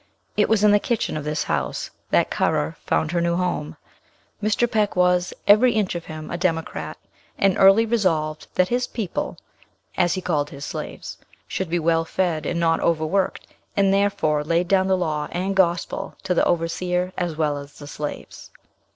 It was in the kitchen of this house that Currer found her new home. Mr. Peck was, every inch of him, a democrat, and early resolved that his "people," as he called his slaves, should be well fed and not overworked, and therefore laid down the law and gospel to the overseer as well as the slaves.